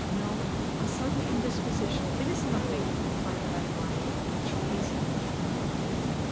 "No—a sudden indisposition—it is nothing!" replied Adeline; and she hastened from the room.